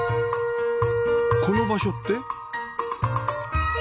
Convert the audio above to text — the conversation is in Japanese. この場所って？